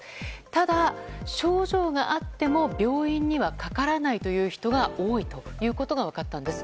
ただ、症状があっても病院にはかからないという人が多いということが分かったんです。